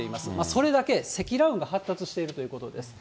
それだけ積乱雲が発達しているということです。